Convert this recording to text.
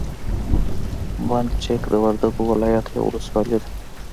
بند چک د وردګو ولایت یوه ولسوالي ده.